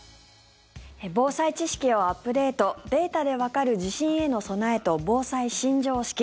防災知識をアップデートデータでわかる地震への備えと防災新常識。